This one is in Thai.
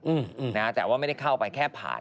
อืมนะฮะแต่ว่าไม่ได้เข้าไปแค่ผ่าน